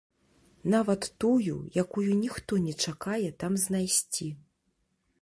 Нават тую, якую ніхто не чакае там знайсці.